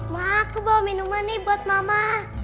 mak aku bawa minuman nih buat mama